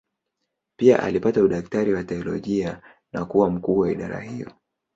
Pia alipata udaktari wa teolojia na kuwa mkuu wa idara hiyo.